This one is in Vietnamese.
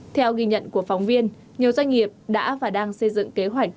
theo ghi nhận của phóng viên nhiều doanh nghiệp đã và đang xây dựng kế hoạch